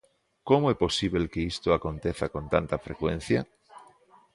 Como é posíbel que isto aconteza con tanta frecuencia?